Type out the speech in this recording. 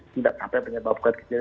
tidak sampai penyebab kecil